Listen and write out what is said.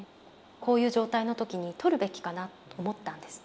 こういう状態の時に撮るべきかなと思ったんです。